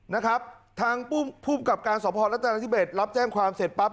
นะครับทางภูมิกับการสพรัฐนาธิเบศรับแจ้งความเสร็จปั๊บ